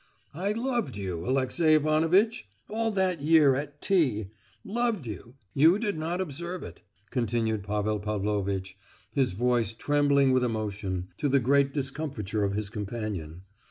"I loved you, Alexey Ivanovitch; all that year at T—— I loved you—you did not observe it," continued Pavel Pavlovitch, his voice trembling with emotion, to the great discomfiture of his companion.